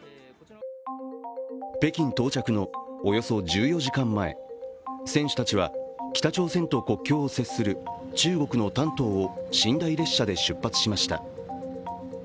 北京到着のおよそ１４時間前、選手たちは北朝鮮と国境を接する中国の丹東を寝台列車で出発しました。